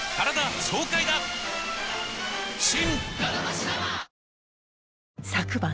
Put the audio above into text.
新！